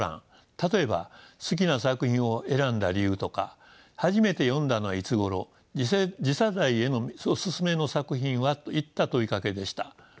例えば「好きな作品を選んだ理由」とか「初めて読んだのはいつごろ」「次世代へのおすすめの作品は」といった問いかけでした。